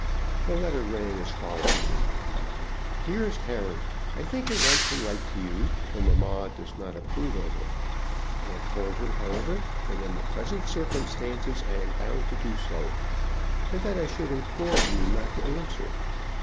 The letter ran as follows: "DEAREST HARRY, I think it right to write to you, though mamma does not approve of it. I have told her, however, that in the present circumstances I am bound to do so, and that I should implore you not to answer.